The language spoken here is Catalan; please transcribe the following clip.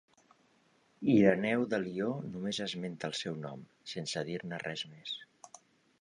Ireneu de Lió només esmenta el seu nom, sense dir-ne res més.